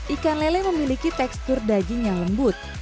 ikan lele memiliki tekstur daging yang lembut